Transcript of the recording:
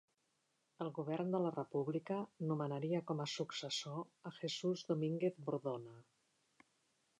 El Govern de la República nomenaria com a successor a Jesús Domínguez Bordona.